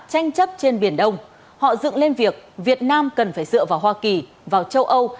tranh chấp trên biển đông họ dựng lên việc việt nam cần phải dựa vào hoa kỳ vào châu âu